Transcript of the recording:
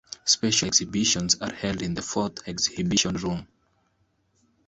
Special exhibitions are held in the fourth exhibition room.